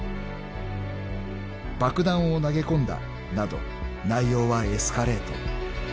［「爆弾を投げ込んだ」など内容はエスカレート］